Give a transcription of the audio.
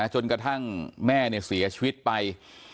จนกระทั่งแม่เสียชีวิตไป